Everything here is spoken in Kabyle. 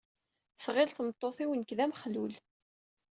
Tɣil tmeṭṭut-iw nekk d amexlul.